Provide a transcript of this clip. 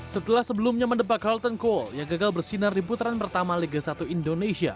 setelah sebelumnya mendebak carlton cole yang gagal bersinar di putaran pertama liga satu indonesia